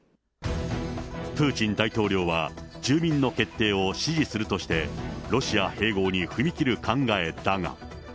プーチン大統領は住民の決定を支持するとして、ロシア併合に踏み切る考えだが。